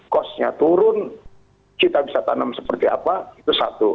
kosnya turun kita bisa tanam seperti apa itu satu